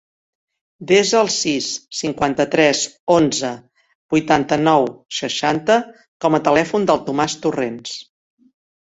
Desa el sis, cinquanta-tres, onze, vuitanta-nou, seixanta com a telèfon del Tomàs Torrents.